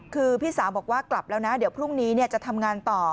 คือพี่สาวบอกว่ากลับแล้วนะเดี๋ยวพรุ่งนี้จะทำงานต่อ